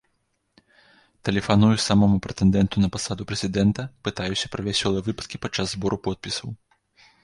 Тэлефаную самому прэтэндэнту на пасаду прэзідэнта, пытаюся пра вясёлыя выпадкі падчас збору подпісаў.